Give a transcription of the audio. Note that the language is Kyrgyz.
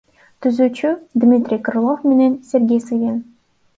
Түзүүчүсү — Дмитрий Крылов менен Сергей Савин.